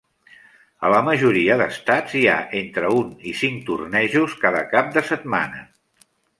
A la majoria d'estats hi ha entre un i cinc tornejos cada cap de setmana.